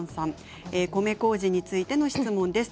米こうじについての質問です。